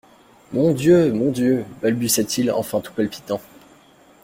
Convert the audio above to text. Mon Dieu ! mon Dieu ! balbutia-t-il enfin tout palpitant.